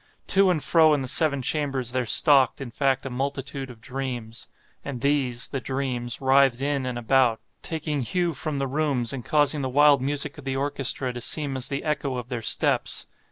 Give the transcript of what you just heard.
To and fro in the seven chambers there stalked, in fact, a multitude of dreams. And these—the dreams—writhed in and about, taking hue from the rooms, and causing the wild music of the orchestra to seem as the echo of their steps.